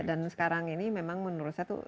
dan sekarang ini memang menurut saya itu